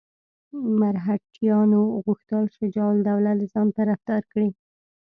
مرهټیانو غوښتل شجاع الدوله د ځان طرفدار کړي.